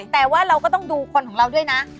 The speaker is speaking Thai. แต่ว่าเราก็ต้องดูคนของเราด้วยนะ